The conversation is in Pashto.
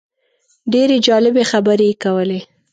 ډېرې جالبې خبرې یې کولې.